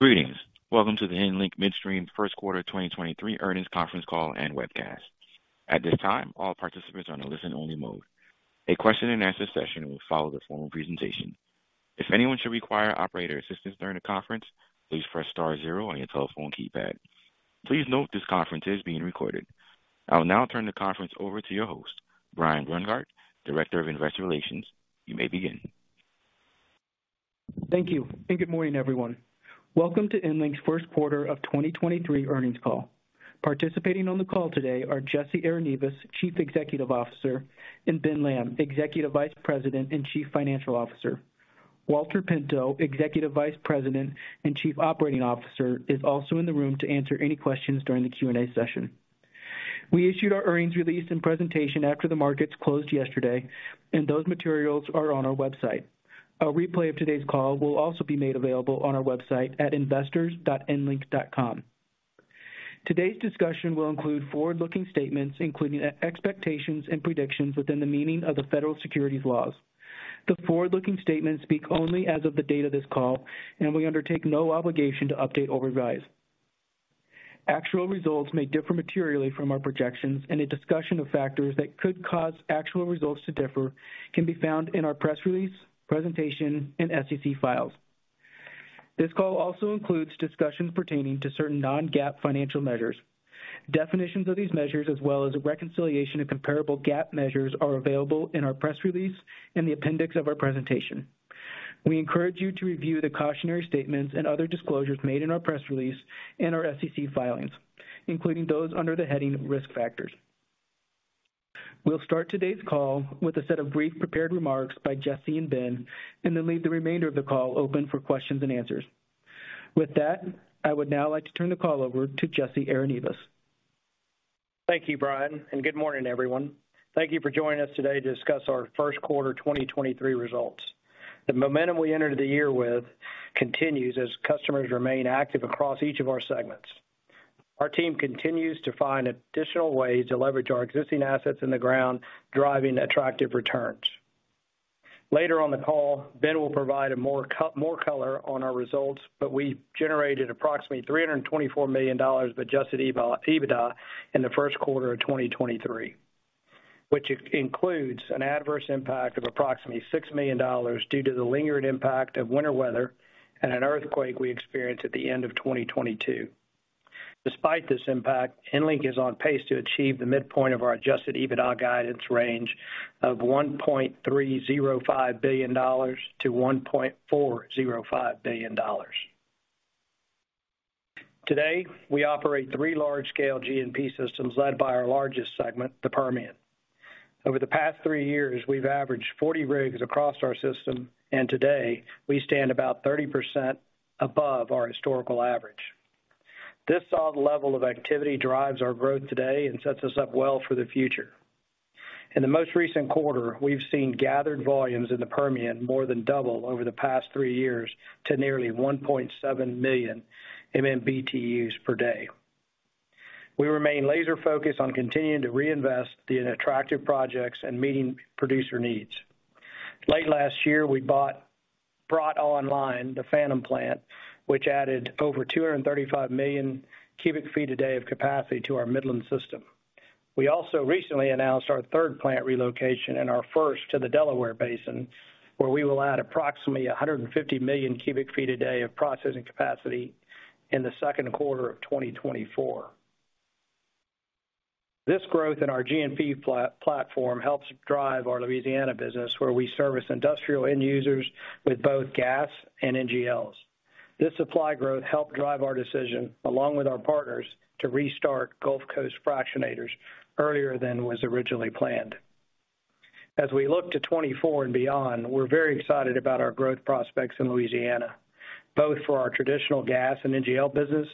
Greetings. Welcome to the EnLink Midstream First Quarter 2023 Earnings Conference Call and Webcast. At this time, all participants are in a listen-only mode. A question-and-answer session will follow the formal presentation. If anyone should require operator assistance during the conference, please press star zero on your telephone keypad. Please note this conference is being recorded. I will now turn the conference over to your host, Brian Brungardt, Director of Investor Relations. You may begin. Thank you, and good morning, everyone. Welcome to EnLink's 1st quarter of 2023 earnings call. Participating on the call today are Jesse Arenivas, Chief Executive Officer, and Ben Lamb, Executive Vice President and Chief Financial Officer. Walter Pinto, Executive Vice President and Chief Operating Officer, is also in the room to answer any questions during the Q&A session. We issued our earnings release and presentation after the markets closed yesterday, and those materials are on our website. A replay of today's call will also be made available on our website at investors.enlink.com. Today's discussion will include forward-looking statements, including expectations and predictions within the meaning of the federal securities laws. The forward-looking statements speak only as of the date of this call, and we undertake no obligation to update or revise. Actual results may differ materially from our projections. A discussion of factors that could cause actual results to differ can be found in our press release, presentation, and SEC files. This call also includes discussions pertaining to certain non-GAAP financial measures. Definitions of these measures as well as a reconciliation of comparable GAAP measures are available in our press release and the appendix of our presentation. We encourage you to review the cautionary statements and other disclosures made in our press release and our SEC filings, including those under the heading Risk Factors. We'll start today's call with a set of brief prepared remarks by Jesse and Ben. Then leave the remainder of the call open for questions and answers. With that, I would now like to turn the call over to Jesse Arenivas. Thank you, Brian, and good morning, everyone. Thank you for joining us today to discuss our first quarter 2023 results. The momentum we entered the year with continues as customers remain active across each of our segments. Our team continues to find additional ways to leverage our existing assets in the ground, driving attractive returns. Later on the call, Ben will provide more color on our results, but we generated approximately $324 million of adjusted EBITDA in the first quarter of 2023, which includes an adverse impact of approximately $6 million due to the lingering impact of winter weather and an earthquake we experienced at the end of 2022. Despite this impact, EnLink is on pace to achieve the midpoint of our adjusted EBITDA guidance range of $1.305 billion-$1.405 billion. Today, we operate 3 large-scale G&P systems led by our largest segment, the Permian. Over the past 3 years, we've averaged 40 rigs across our system, and today we stand about 30% above our historical average. This solid level of activity drives our growth today and sets us up well for the future. In the most recent quarter, we've seen gathered volumes in the Permian more than double over the past 3 years to nearly 1.7 million MMBtus per day. We remain laser focused on continuing to reinvest in attractive projects and meeting producer needs. Late last year, we brought online the Phantom Plant, which added over 235 million cubic feet a day of capacity to our Midland system. We also recently announced our third plant relocation and our first to the Delaware Basin, where we will add approximately 150 million cubic feet a day of processing capacity in the second quarter of 2024. This growth in our G&P platform helps drive our Louisiana business, where we service industrial end users with both gas and NGLs. This supply growth helped drive our decision, along with our partners, to restart Gulf Coast Fractionators earlier than was originally planned. As we look to 2024 and beyond, we're very excited about our growth prospects in Louisiana, both for our traditional gas and NGL business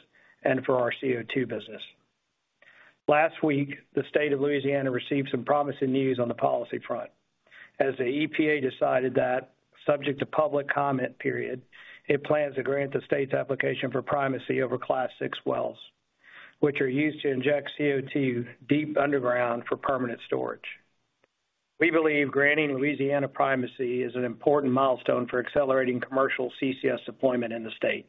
and for our CO2 business. Last week, the state of Louisiana received some promising news on the policy front as the EPA decided that, subject to public comment period, it plans to grant the state's application for primacy over Class VI wells, which are used to inject CO2 deep underground for permanent storage. We believe granting Louisiana primacy is an important milestone for accelerating commercial CCS deployment in the state.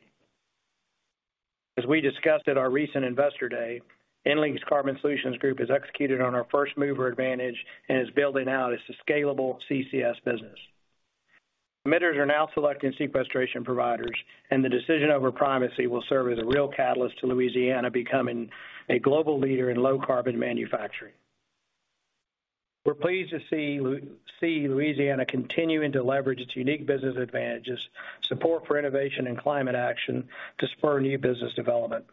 As we discussed at our recent Investor Day, EnLink's Carbon Solutions Group has executed on our first-mover advantage and is building out as a scalable CCS business. Emitters are now selecting sequestration providers, and the decision over primacy will serve as a real catalyst to Louisiana becoming a global leader in low carbon manufacturing. We're pleased to see Louisiana continuing to leverage its unique business advantages, support for innovation and climate action to spur new business development.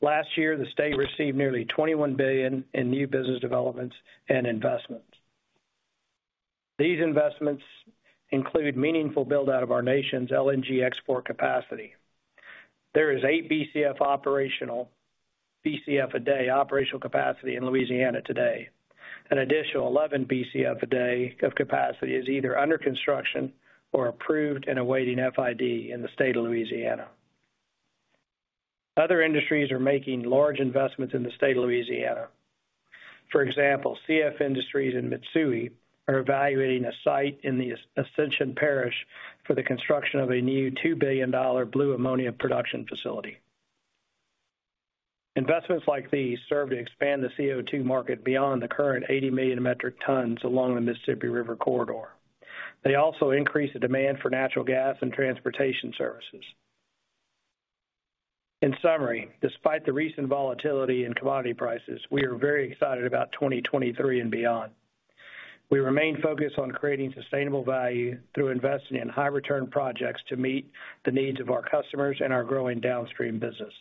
Last year, the state received nearly $21 billion in new business developments and investments. These investments include meaningful buildout of our nation's LNG export capacity. There is 8 BCF a day operational capacity in Louisiana today. An additional 11 BCF a day of capacity is either under construction or approved and awaiting FID in the state of Louisiana. Other industries are making large investments in the state of Louisiana. For example, CF Industries and Mitsui are evaluating a site in the Ascension Parish for the construction of a new $2 billion blue ammonia production facility. Investments like these serve to expand the CO2 market beyond the current 80 million metric tons along the Mississippi River Corridor. They also increase the demand for natural gas and transportation services. In summary, despite the recent volatility in commodity prices, we are very excited about 2023 and beyond. We remain focused on creating sustainable value through investing in high return projects to meet the needs of our customers and our growing downstream business.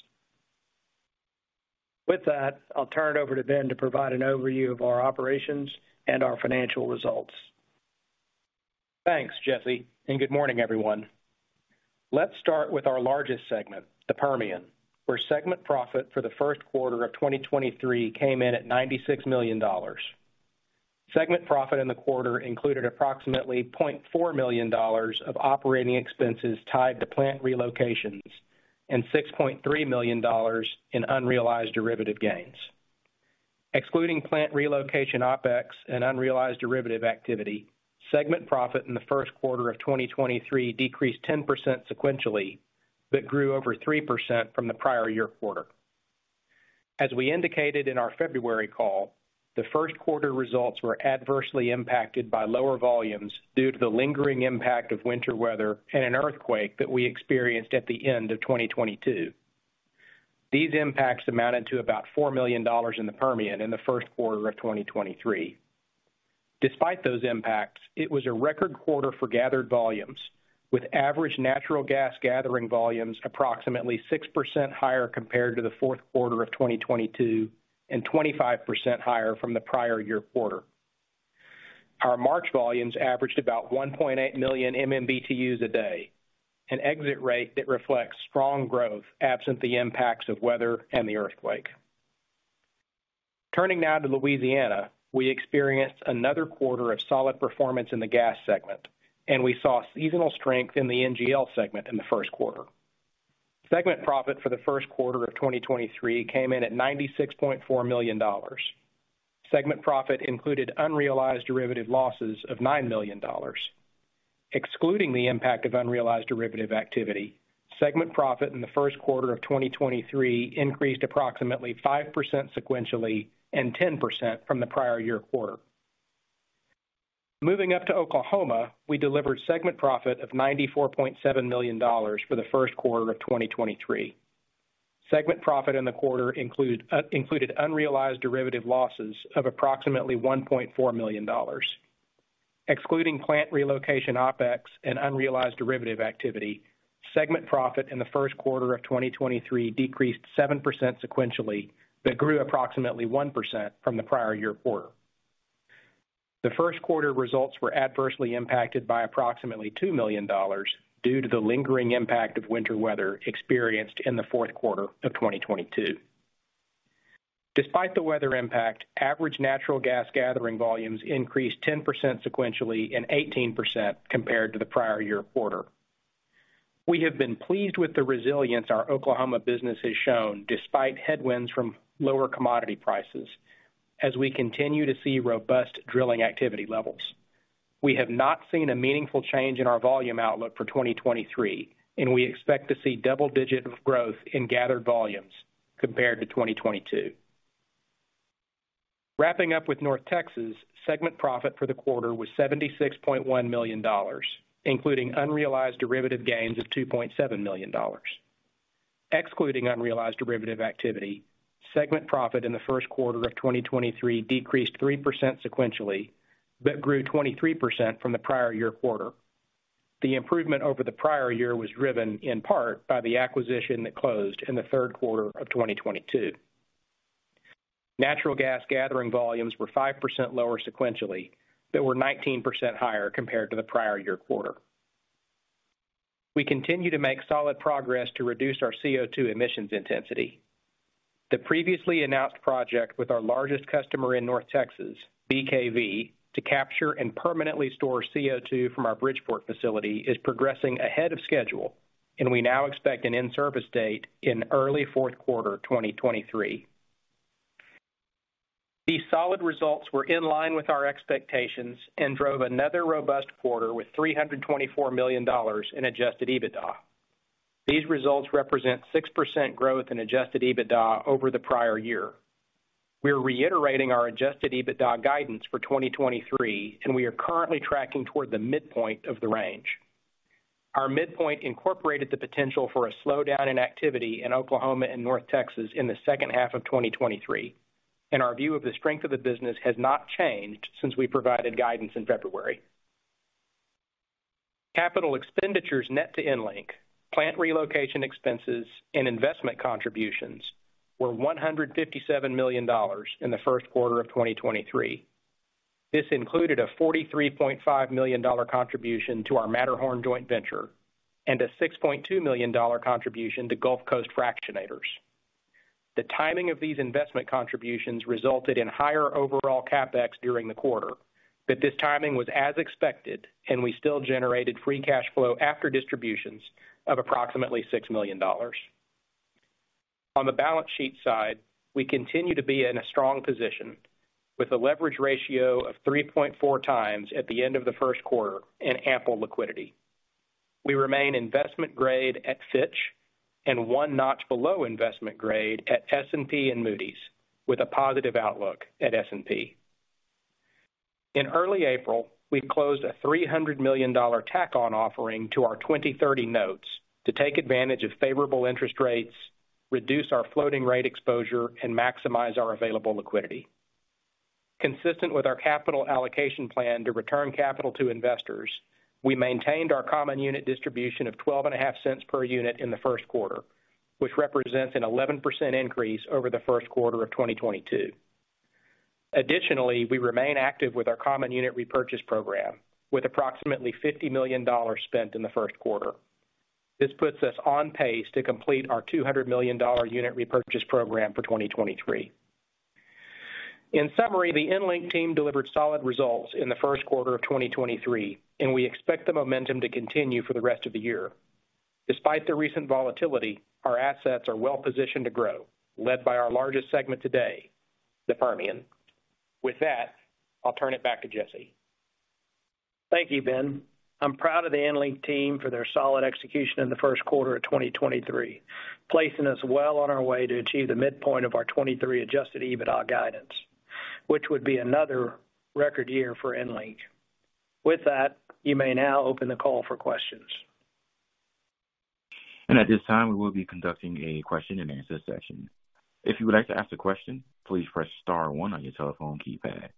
With that, I'll turn it over to Ben to provide an overview of our operations and our financial results. Thanks, Jesse, and good morning, everyone. Let's start with our largest segment, the Permian, where segment profit for the first quarter of 2023 came in at $96 million. Segment profit in the quarter included approximately $0.4 million of operating expenses tied to plant relocations and $6.3 million in unrealized derivative gains. Excluding plant relocation OpEx and unrealized derivative activity, segment profit in the first quarter of 2023 decreased 10% sequentially, but grew over 3% from the prior year quarter. As we indicated in our February call, the first quarter results were adversely impacted by lower volumes due to the lingering impact of winter weather and an earthquake that we experienced at the end of 2022. These impacts amounted to about $4 million in the Permian in the first quarter of 2023. Despite those impacts, it was a record quarter for gathered volumes, with average natural gas gathering volumes approximately 6% higher compared to the fourth quarter of 2022 and 25% higher from the prior-year quarter. Our March volumes averaged about 1.8 million MMBtus a day, an exit rate that reflects strong growth absent the impacts of weather and the earthquake. Turning now to Louisiana, we experienced another quarter of solid performance in the gas segment, and we saw seasonal strength in the NGL segment in the first quarter. Segment profit for the first quarter of 2023 came in at $96.4 million. Segment profit included unrealized derivative losses of $9 million. Excluding the impact of unrealized derivative activity, segment profit in the first quarter of 2023 increased approximately 5% sequentially and 10% from the prior-year quarter. Moving up to Oklahoma, we delivered segment profit of $94.7 million for the first quarter of 2023. Segment profit in the quarter included unrealized derivative losses of approximately $1.4 million. Excluding plant relocation OpEx and unrealized derivative activity, segment profit in the first quarter of 2023 decreased 7% sequentially, but grew approximately 1% from the prior year quarter. The first quarter results were adversely impacted by approximately $2 million due to the lingering impact of winter weather experienced in the fourth quarter of 2022. Despite the weather impact, average natural gas gathering volumes increased 10% sequentially and 18% compared to the prior year quarter. We have been pleased with the resilience our Oklahoma business has shown despite headwinds from lower commodity prices as we continue to see robust drilling activity levels. We have not seen a meaningful change in our volume outlook for 2023, and we expect to see double-digit growth in gathered volumes compared to 2022. Wrapping up with North Texas, segment profit for the quarter was $76.1 million, including unrealized derivative gains of $2.7 million. Excluding unrealized derivative activity, segment profit in the first quarter of 2023 decreased 3% sequentially, but grew 23% from the prior year quarter. The improvement over the prior year was driven in part by the acquisition that closed in the third quarter of 2022. Natural gas gathering volumes were 5% lower sequentially, but were 19% higher compared to the prior year quarter. We continue to make solid progress to reduce our CO2 emissions intensity. The previously announced project with our largest customer in North Texas, BKV, to capture and permanently store CO2 from our Bridgeport facility is progressing ahead of schedule, and we now expect an in-service date in early fourth quarter 2023. These solid results were in line with our expectations and drove another robust quarter with $324 million in adjusted EBITDA. These results represent 6% growth in adjusted EBITDA over the prior year. We are reiterating our adjusted EBITDA guidance for 2023, and we are currently tracking toward the midpoint of the range. Our midpoint incorporated the potential for a slowdown in activity in Oklahoma and North Texas in the second half of 2023, and our view of the strength of the business has not changed since we provided guidance in February. Capital expenditures net to EnLink, plant relocation expenses and investment contributions were $157 million in the first quarter of 2023. This included a $43.5 million contribution to our Matterhorn joint venture and a $6.2 million contribution to Gulf Coast Fractionators. The timing of these investment contributions resulted in higher overall CapEx during the quarter, but this timing was as expected, and we still generated free cash flow after distributions of approximately $6 million. On the balance sheet side, we continue to be in a strong position with a leverage ratio of 3.4 times at the end of the first quarter and ample liquidity. We remain investment grade at Fitch and one notch below investment grade at S&P and Moody's, with a positive outlook at S&P. In early April, we closed a $300 million tack on offering to our 2030 notes to take advantage of favorable interest rates, reduce our floating rate exposure, and maximize our available liquidity. Consistent with our capital allocation plan to return capital to investors, we maintained our common unit distribution of $0.125 per unit in the first quarter, which represents an 11% increase over the first quarter of 2022. We remain active with our common unit repurchase program with approximately $50 million spent in the first quarter. This puts us on pace to complete our $200 million unit repurchase program for 2023. The EnLink team delivered solid results in the first quarter of 2023. We expect the momentum to continue for the rest of the year. Despite the recent volatility, our assets are well positioned to grow, led by our largest segment today, the Permian. With that, I'll turn it back to Jesse. Thank you, Ben. I'm proud of the EnLink team for their solid execution in the first quarter of 2023, placing us well on our way to achieve the midpoint of our 2023 adjusted EBITDA guidance, which would be another record year for EnLink. With that, you may now open the call for questions. At this time, we will be conducting a question-and-answer session. If you would like to ask a question, please press star one on your telephone keypad.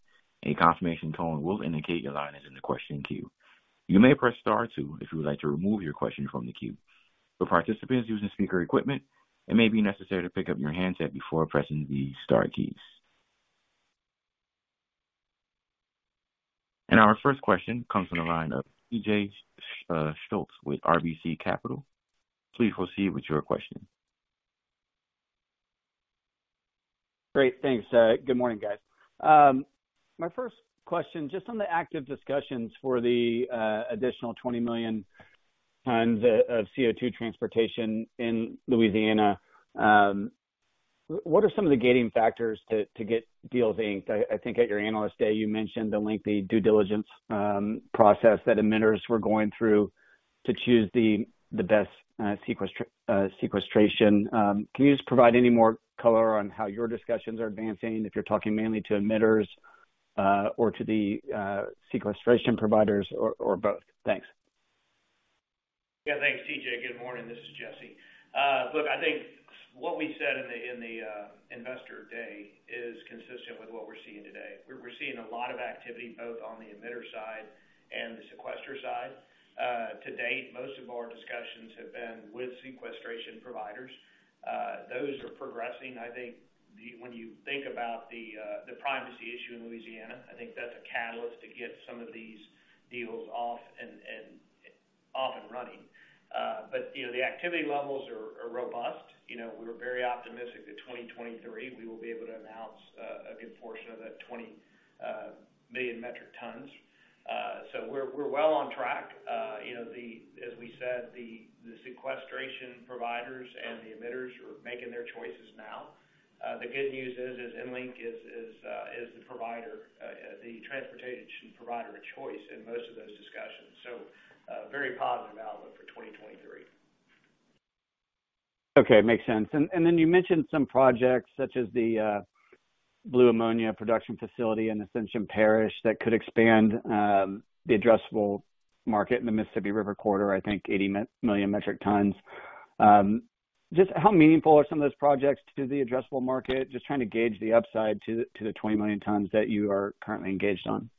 A confirmation tone will indicate your line is in the question queue. You may press star two if you would like to remove your question from the queue. For participants using speaker equipment, it may be necessary to pick up your handset before pressing the star keys. Our first question comes from the line of TJ Schultz with RBC Capital. Please proceed with your question. Great. Thanks. Good morning, guys. My first question, just on the active discussions for the additional 20 million tons of CO2 transportation in Louisiana, what are some of the gating factors to get deals inked? I think at your Investor Day, you mentioned the lengthy due diligence process that emitters were going through to choose the best sequestration. Can you just provide any more color on how your discussions are advancing, if you're talking mainly to emitters, or to the sequestration providers or both? Thanks. Yeah, thanks, TJ. Good morning. This is Jesse. Look, I think what we said in the Investor Day is consistent with what we're seeing today. We're seeing a lot of activity both on the emitter side and the sequester side. To date, most of our discussions have been with sequestration providers. Those are progressing. When you think about the privacy issue in Louisiana, I think that's a catalyst to get some of these deals off and running. You know, the activity levels are robust. You know, we were very optimistic that 2023 we will be able to announce a good portion of that 20 million metric tons. We're well on track. you know, as we said, the sequestration providers and the emitters are making their choices now. The good news is, EnLink is the provider, the transportation provider of choice in most of those discussions. A very positive outlook for 2023. Okay. Makes sense. Then you mentioned some projects such as the blue ammonia production facility in Ascension Parish that could expand the addressable market in the Mississippi River Corridor, I think 80 million metric tons. Just how meaningful are some of those projects to the addressable market? Just trying to gauge the upside to the 20 million tons that you are currently engaged on.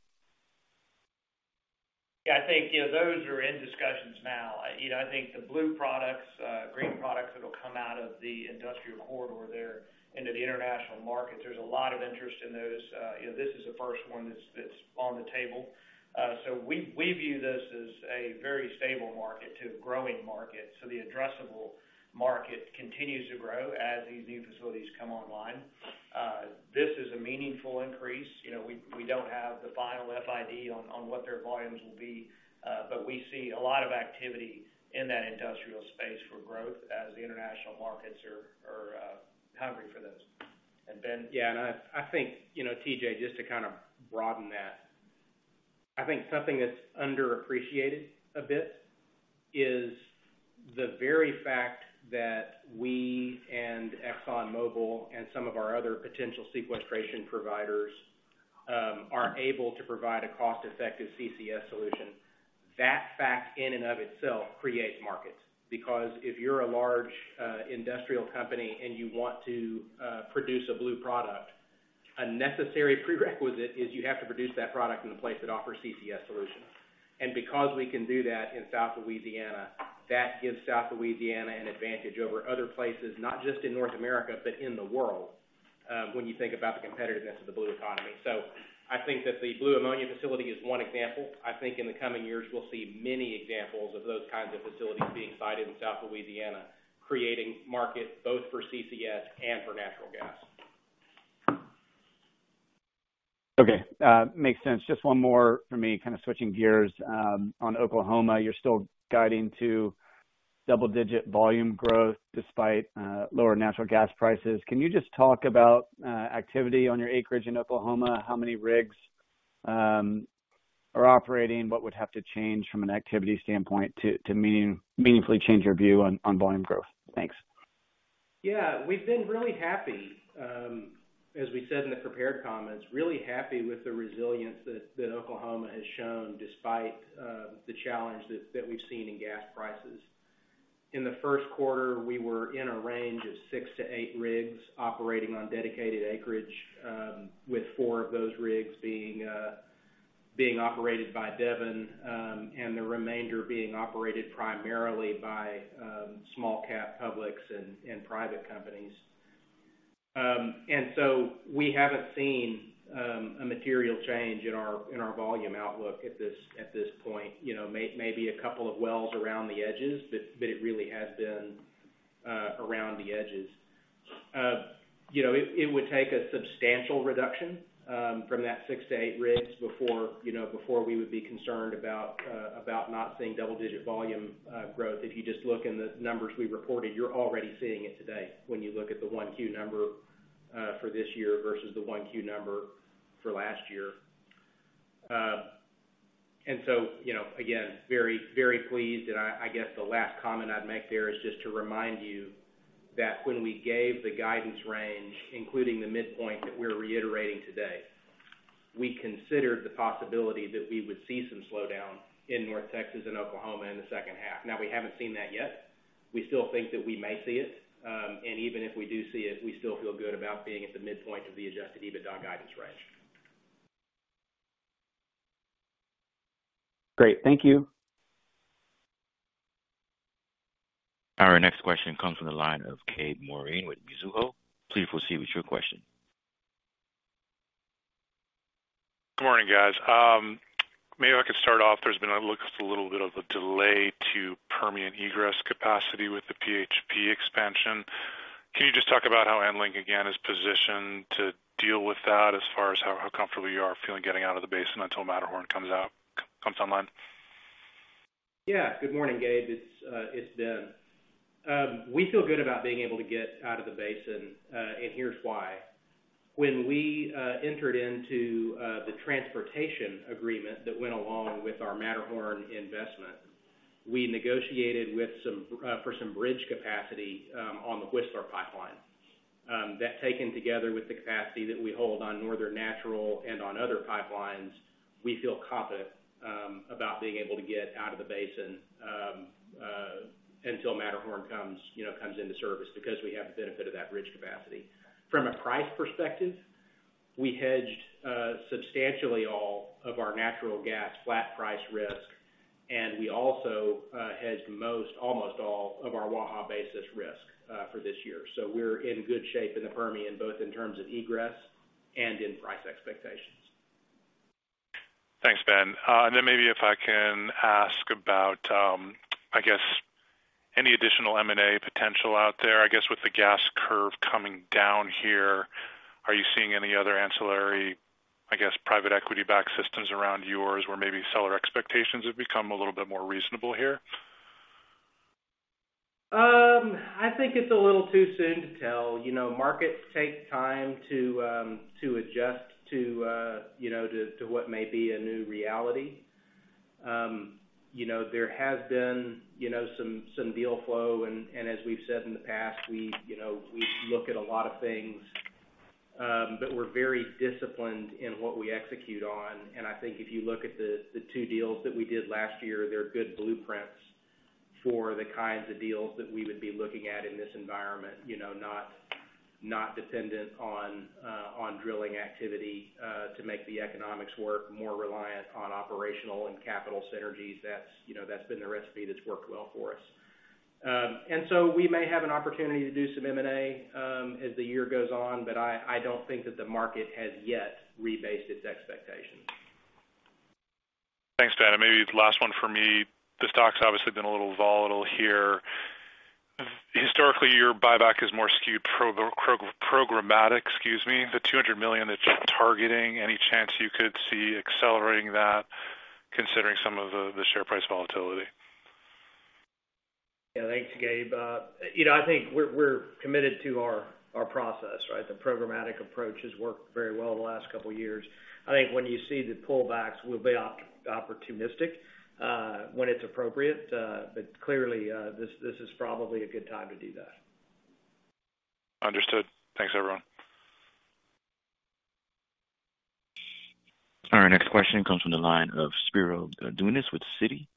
I think, you know, those are in discussions now. You know, I think the blue products, green products that'll come out of the industrial corridor there into the international markets, there's a lot of interest in those. You know, this is the first one that's on the table. We, we view this as a very stable market to a growing market. The addressable market continues to grow as these new facilities come online. This is a meaningful increase. You know, we don't have the final FID on what their volumes will be, but we see a lot of activity in that industrial space for growth as the international markets are, hungry for those. Ben? Yeah, I think, you know, TJ, just to kind of broaden that, I think something that's underappreciated a bit is the very fact that we and ExxonMobil and some of our other potential sequestration providers, are able to provide a cost-effective CCS solution. That fact in and of itself creates markets because if you're a large industrial company and you want to produce a blue product, a necessary prerequisite is you have to produce that product in a place that offers CCS solutions. Because we can do that in South Louisiana, that gives South Louisiana an advantage over other places, not just in North America, but in the world, when you think about the competitiveness of the blue economy. I think that the blue ammonia facility is one example. I think in the coming years, we'll see many examples of those kinds of facilities being cited in South Louisiana, creating markets both for CCS and for natural gas. Okay. makes sense. Just one more for me, kind of switching gears, on Oklahoma. You're still guiding to double-digit volume growth despite lower natural gas prices. Can you just talk about activity on your acreage in Oklahoma? How many rigs are operating? What would have to change from an activity standpoint to meaningfully change your view on volume growth? Thanks. Yeah. We've been really happy, as we said in the prepared comments, really happy with the resilience that Oklahoma has shown despite the challenge that we've seen in gas prices. In the first quarter, we were in a range of six to eight rigs operating on dedicated acreage, with four of those rigs being operated by Devon, and the remainder being operated primarily by small cap publics and private companies. We haven't seen a material change in our volume outlook at this, at this point. You know, maybe a couple of wells around the edges, but it really has been around the edges. You know, it would take a substantial reduction from that six to eight rigs before, you know, before we would be concerned about not seeing double-digit volume growth. If you just look in the numbers we reported, you're already seeing it today when you look at the one Q number for this year versus the one Q number for last year. You know, again, very, very pleased. I guess the last comment I'd make there is just to remind you that when we gave the guidance range, including the midpoint that we're reiterating today, we considered the possibility that we would see some slowdown in North Texas and Oklahoma in the second half. Now we haven't seen that yet. We still think that we may see it. Even if we do see it, we still feel good about being at the midpoint of the adjusted EBITDA guidance range. Great. Thank you. Our next question comes from the line of Gabe Moreen with Mizuho. Please proceed with your question. Good morning, guys. Maybe I could start off, there's been, it looks a little bit of a delay to Permian egress capacity with the PHP expansion. Can you just talk about how EnLink again is positioned to deal with that as far as how comfortable you are feeling getting out of the basin until Matterhorn comes online? Good morning, Gabe. It's Ben. We feel good about being able to get out of the basin. Here's why. When we entered into the transportation agreement that went along with our Matterhorn investment, we negotiated for some bridge capacity on the Whistler Pipeline. That taken together with the capacity that we hold on Northern Natural and on other pipelines, we feel confident about being able to get out of the basin until Matterhorn comes, you know, comes into service because we have the benefit of that bridge capacity. From a price perspective, we hedged substantially all of our natural gas flat price risk. We also hedged most, almost all of our Waha basis risk for this year. We're in good shape in the Permian, both in terms of egress and in price expectations. Thanks, Ben. Maybe if I can ask about, I guess any additional M&A potential out there. I guess with the gas curve coming down here, are you seeing any other ancillary, I guess, private equity backed systems around yours where maybe seller expectations have become a little more reasonable here? I think it's a little too soon to tell. You know, markets take time to adjust to, you know, to what may be a new reality. You know, there has been, you know, some deal flow and, as we've said in the past, we, you know, we look at a lot of things, but we're very disciplined in what we execute on. I think if you look at the two deals that we did last year, they're good blueprints for the kinds of deals that we would be looking at in this environment. You know, not dependent on drilling activity to make the economics work more reliant on operational and capital synergies. That's, you know, that's been the recipe that's worked well for us. We may have an opportunity to do some M&A as the year goes on, but I don't think that the market has yet rebased its expectations. Thanks, Ben. Maybe the last one for me. The stock's obviously been a little volatile here. Historically, your buyback is more skewed programmatic. Excuse me. The $200 million that you're targeting, any chance you could see accelerating that considering some of the share price volatility? Yeah. Thanks, Gabe. you know, I think we're committed to our process, right? The programmatic approach has worked very well the last couple years. I think when you see the pullbacks, we'll be opportunistic, when it's appropriate. Clearly, this is probably a good time to do that. Understood. Thanks, everyone. Our next question comes from the line of Spiro Dounis with Citi.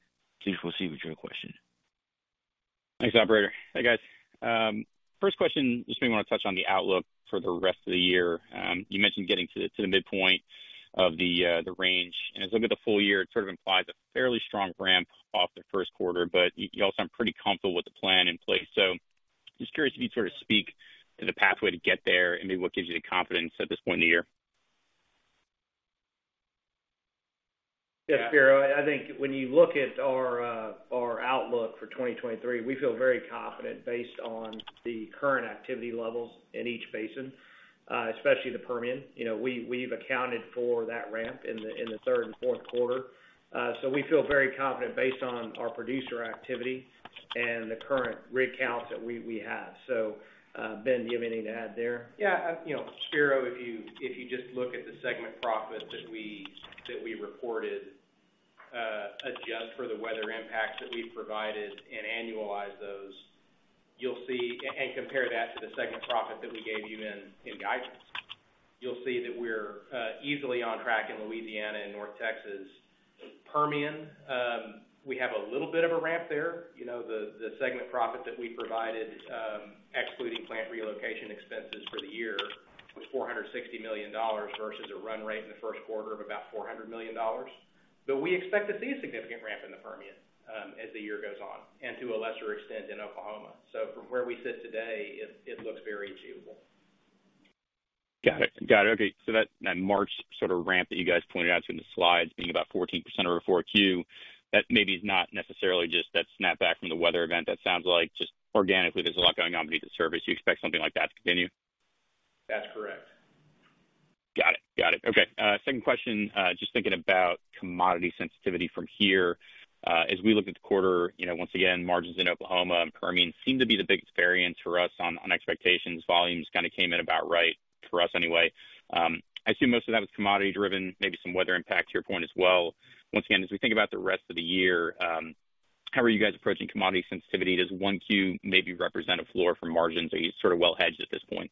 Please proceed with your question. Thanks, operator. Hi, guys. First question, just maybe want to touch on the outlook for the rest of the year. You mentioned getting to the midpoint of the range. As I look at the full year, it sort of implies a fairly strong ramp off the first quarter, but you also sound pretty comfortable with the plan in place. Just curious if you'd sort of speak to the pathway to get there and maybe what gives you the confidence at this point in the year. Yes, Spiro, I think when you look at our outlook for 2023, we feel very confident based on the current activity levels in each basin, especially the Permian. You know, we've accounted for that ramp in the third and fourth quarter. We feel very confident based on our producer activity and the current rig counts that we have. Ben, do you have anything to add there? Yeah, you know, Spiro, if you, if you just look at the segment profits that we, that we reported, adjust for the weather impacts that we've provided and annualize those, you'll see. Compare that to the segment profit that we gave you in guidance. You'll see that we're easily on track in Louisiana and North Texas. Permian, we have a little bit of a ramp there. You know, the segment profit that we provided, excluding plant relocation expenses for the year was $460 million versus a run rate in the first quarter of about $400 million. We expect to see a significant ramp in the Permian, as the year goes on, and to a lesser extent in Oklahoma. From where we sit today, it looks very achievable. Got it. Got it. Okay. That, that March sort of ramp that you guys pointed out in the slides being about 14% over 4Q, that maybe is not necessarily just that snapback from the weather event. That sounds like just organically, there's a lot going on beneath the surface. You expect something like that to continue? That's correct. Got it. Got it. Okay. Second question, just thinking about commodity sensitivity from here. As we look at the quarter, you know, once again, margins in Oklahoma and Permian seem to be the biggest variant for us on expectations. Volumes kind of came in about right for us anyway. I assume most of that was commodity driven, maybe some weather impact to your point as well. Once again, as we think about the rest of the year, how are you guys approaching commodity sensitivity? Does 1 Q maybe represent a floor for margins? Are you sort of well hedged at this point?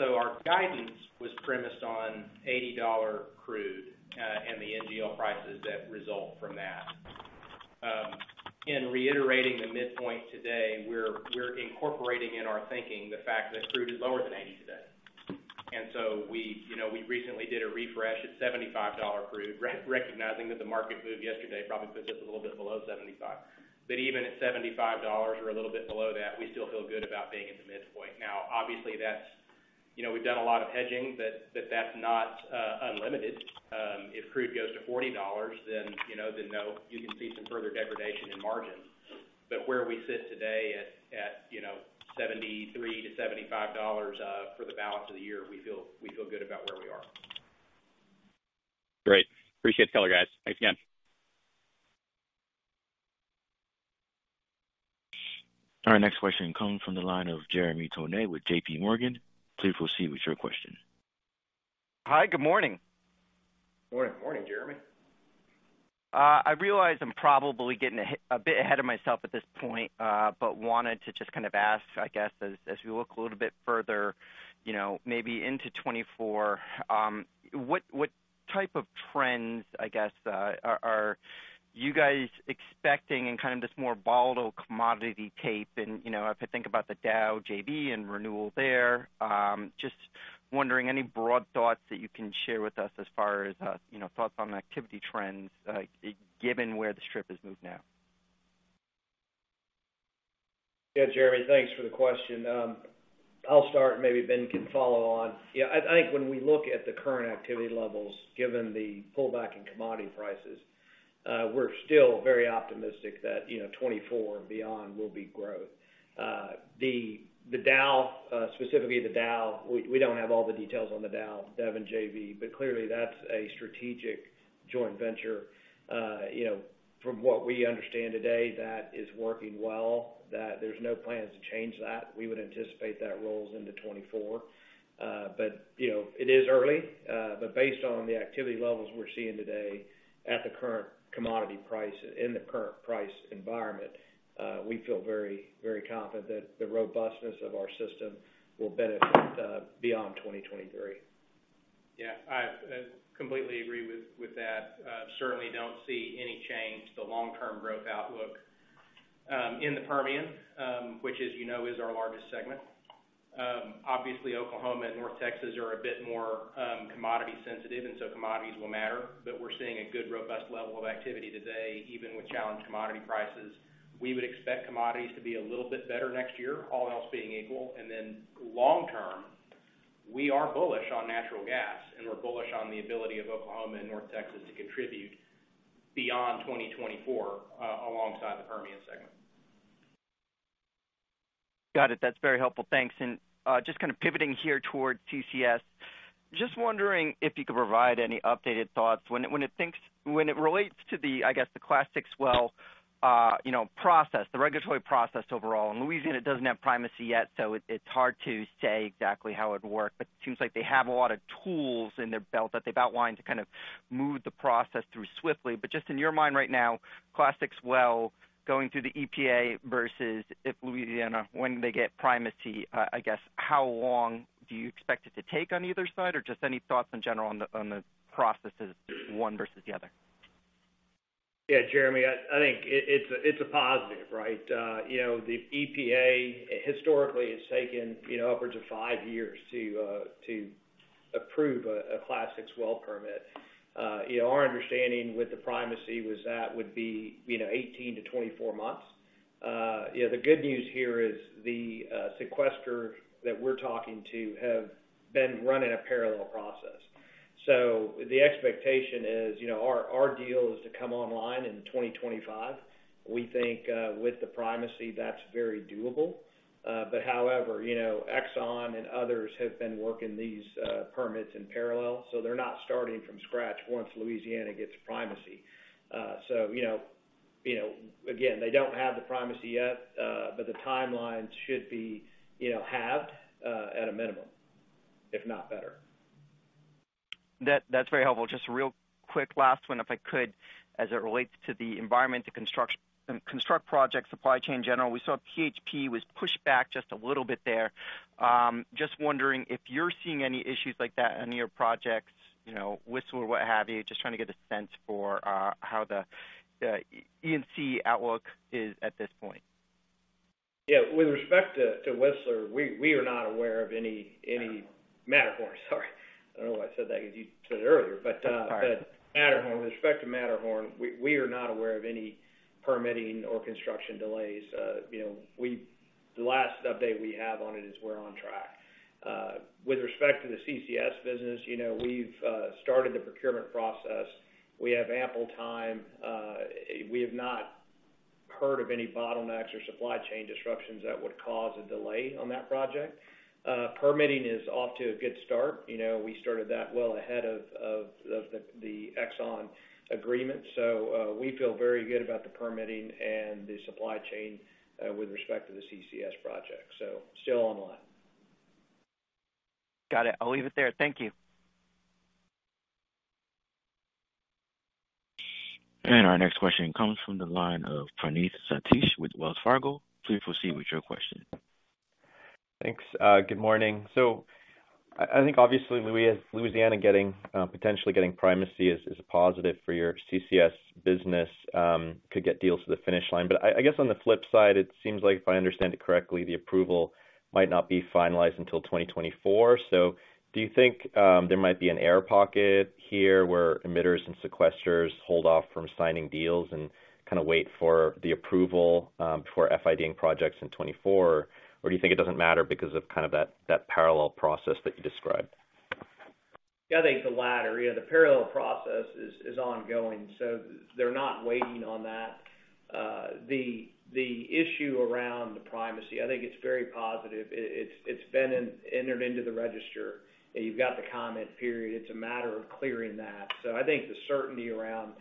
Our guidance was premised on $80 crude and the NGL prices that result from that. In reiterating the midpoint today, we're incorporating in our thinking the fact that crude is lower than $80 today. We, you know, we recently did a refresh at $75 crude, recognizing that the market move yesterday probably puts us a little bit below $75. Even at $75 or a little bit below that, we still feel good about being at the midpoint. Obviously, that's. You know, we've done a lot of hedging, but that's not unlimited. If crude goes to $40, you know, though, you can see some further degradation in margins. Where we sit today at, you know, $73-$75, for the balance of the year, we feel good about where we are. Great. Appreciate the color, guys. Thanks again. Our next question comes from the line of Jeremy Tonet with JP Morgan. Please proceed with your question. Hi, good morning. Morning. Morning, Jeremy. I realize I'm probably getting a bit ahead of myself at this point, wanted to just kind of ask, I guess, as we look a little bit further, you know, maybe into 2024, what type of trends, I guess, are you guys expecting in kind of this more volatile commodity tape? You know, if I think about the Dow JV and renewal there, just wondering any broad thoughts that you can share with us as far as, you know, thoughts on activity trends, given where the strip has moved now. Jeremy, thanks for the question. I'll start, maybe Ben can follow on. I think when we look at the current activity levels, given the pullback in commodity prices, we're still very optimistic that, you know, 2024 and beyond will be growth. The Dow, specifically the Dow, we don't have all the details on the Dow Devon JV, clearly that's a strategic joint venture. You know, from what we understand today, that is working well, that there's no plans to change that. We would anticipate that rolls into 2024. You know, it is early, but based on the activity levels we're seeing today at the current commodity price in the current price environment, we feel very confident that the robustness of our system will benefit beyond 2023. Yeah, I completely agree with that. Certainly don't see any change to the long-term growth outlook in the Permian, which, as you know, is our largest segment. Obviously, Oklahoma and North Texas are a bit more commodity sensitive, and so commodities will matter. We're seeing a good, robust level of activity today, even with challenged commodity prices. We would expect commodities to be a little bit better next year, all else being equal. Then long term, we are bullish on natural gas, and we're bullish on the ability of Oklahoma and North Texas to contribute beyond 2024 alongside the Permian segment. Got it. That's very helpful. Thanks. Just kind of pivoting here towards CCS. Just wondering if you could provide any updated thoughts. When it relates to the, I guess, the Class VI, you know, process, the regulatory process overall, and Louisiana doesn't have primacy yet, so it's hard to say exactly how it would work. It seems like they have a lot of tools in their belt that they've outlined to kind of move the process through swiftly. Just in your mind right now, Class VI going through the EPA versus if Louisiana, when they get primacy, I guess, how long do you expect it to take on either side? Just any thoughts in general on the, on the processes, one versus the other? Yeah, Jeremy, I think it's a positive, right? You know, the EPA historically has taken, you know, upwards of five years to approve a Class VI permit. Yeah, our understanding with the primacy was that would be, you know, 18-24 months. You know, the good news here is the sequester that we're talking to have been running a parallel process. The expectation is, you know, our deal is to come online in 2025. We think, with the primacy, that's very doable. However, you know, Exxon and others have been working these permits in parallel, they're not starting from scratch once Louisiana gets primacy. You know, again, they don't have the primacy yet, but the timelines should be, you know, halved, at a minimum, if not better. That's very helpful. Just real quick, last one, if I could, as it relates to the environment to construct project supply chain in general. We saw PHP was pushed back just a little bit there. Just wondering if you're seeing any issues like that on your projects, you know, Whistler, what have you. Just trying to get a sense for how the ENC outlook is at this point. Yeah. With respect to Whistler, we are not aware of any- Matterhorn. Matterhorn. Sorry. I don't know why I said that because you said it earlier. That's all right. With respect to Matterhorn, we are not aware of any permitting or construction delays. You know, the last update we have on it is we're on track. With respect to the CCS business, you know, we've started the procurement process. We have ample time. We have not heard of any bottlenecks or supply chain disruptions that would cause a delay on that project. Permitting is off to a good start. You know, we started that well ahead of the Exxon agreement. We feel very good about the permitting and the supply chain, with respect to the CCS project. Still online. Got it. I'll leave it there. Thank you. Our next question comes from the line of Praneeth Satish with Wells Fargo. Please proceed with your question. Thanks. Good morning. I think obviously Louisiana getting potentially getting primacy is a positive for your CCS business, could get deals to the finish line. I guess on the flip side, it seems like if I understand it correctly, the approval might not be finalized until 2024. Do you think there might be an air pocket here where emitters and sequesters hold off from signing deals and kind of wait for the approval before FID-ing projects in 2024? Do you think it doesn't matter because of kind of that parallel process that you described? Yeah, I think the latter. You know, the parallel process is ongoing, so they're not waiting on that. The issue around the primacy, I think it's very positive. It's been entered into the register, and you've got the comment period. It's a matter of clearing that. I think the certainty around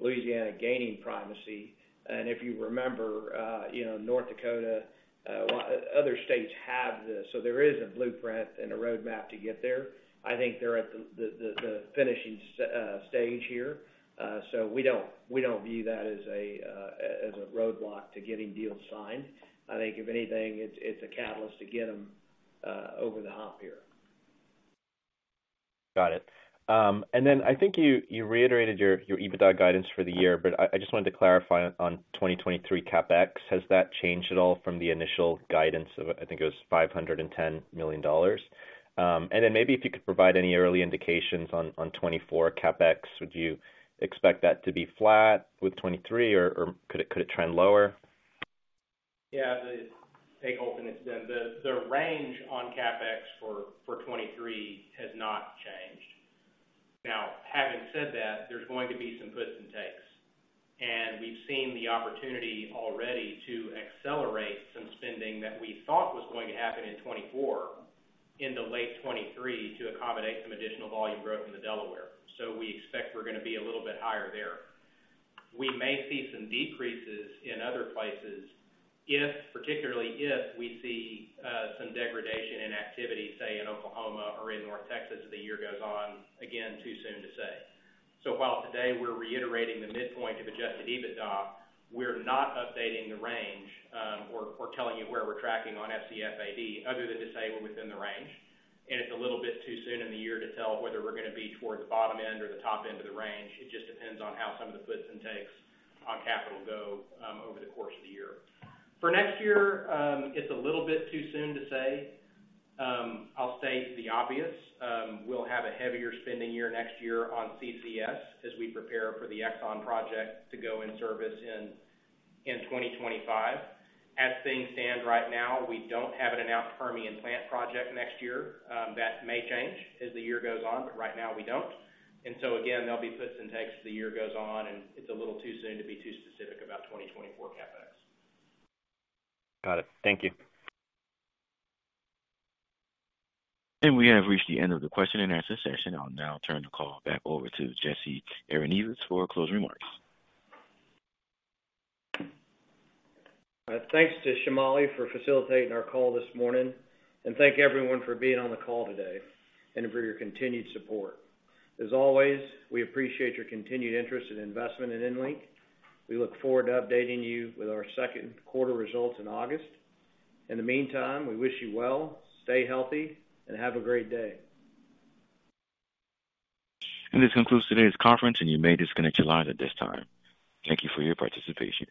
Louisiana gaining primacy, and if you remember, you know, North Dakota, other states have this, so there is a blueprint and a roadmap to get there. I think they're at the finishing stage here. We don't view that as a roadblock to getting deals signed. I think if anything, it's a catalyst to get them over the hump here. Got it. I think you reiterated your EBITDA guidance for the year, but I just wanted to clarify on 2023 CapEx, has that changed at all from the initial guidance of, I think it was $510 million? Maybe if you could provide any early indications on 2024 CapEx. Would you expect that to be flat with 2023 or could it trend lower? Yeah. I'll take both and it's been... The range on CapEx for 2023 has not changed. Having said that, there's going to be some puts and takes. We've seen the opportunity already to accelerate some spending that we thought was going to happen in 2024, into late 2023 to accommodate some additional volume growth in the Delaware. We expect we're gonna be a little bit higher there. We may see some decreases in other places if, particularly if we see some degradation in activity, say, in Oklahoma or in North Texas as the year goes on. Again, too soon to say. While today we're reiterating the midpoint of adjusted EBITDA, we're not updating the range, or telling you where we're tracking on FCFAD other than to say we're within the range. It's a little bit too soon in the year to tell whether we're gonna be towards the bottom end or the top end of the range. It just depends on how some of the puts and takes on capital go over the course of the year. For next year, it's a little bit too soon to say. I'll state the obvious. We'll have a heavier spending year next year on CCS as we prepare for the Exxon project to go in service in 2025. As things stand right now, we don't have an announced Permian plant project next year. That may change as the year goes on, but right now we don't. Again, there'll be puts and takes as the year goes on, and it's a little too soon to be too specific about 2024 CapEx. Got it. Thank you. We have reached the end of the question and answer session. I'll now turn the call back over to Jesse Arenivas for closing remarks. All right. Thanks to Chamali for facilitating our call this morning. Thank everyone for being on the call today and for your continued support. As always, we appreciate your continued interest and investment in EnLink. We look forward to updating you with our second quarter results in August. In the meantime, we wish you well, stay healthy, and have a great day. This concludes today's conference, and you may disconnect your lines at this time. Thank you for your participation.